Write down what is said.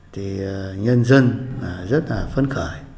thì nhân dân rất là phân khởi